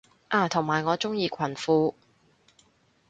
啊同埋我鍾意裙褲